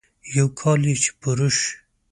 يو کال يې چې پوره شي.